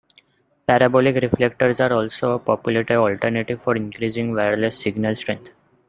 Parabolic reflectors are also a popular alternative for increasing wireless signal strength.